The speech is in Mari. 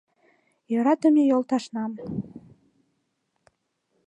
Йӧратыме йолташнам.